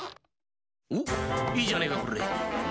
おいいじゃねえかこれ。